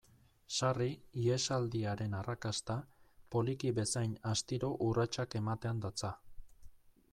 Sarri, ihesaldiaren arrakasta, poliki bezain astiro urratsak ematean datza.